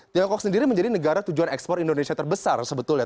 tiongkok sendiri menjadi negara tujuan ekspor indonesia terbesar sebetulnya